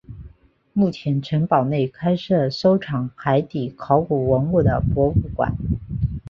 目前城堡内开设收藏海底考古文物的博物馆。